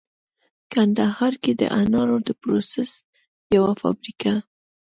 کندهار کې د انارو د پروسس یوه فابریکه